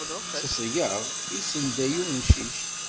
Teẓẓgeɣ, yessenday umcic.